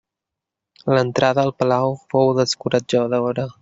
L'entrada al palau fou descoratjadora.